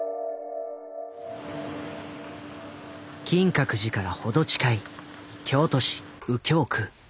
金閣寺から程近い京都市右京区。